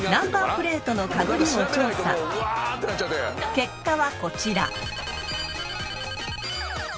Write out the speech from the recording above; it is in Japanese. ［結果はこちら］